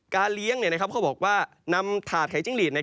การเลี้ยงเค้าบอกว่านำถาดไข่จิ้งลีท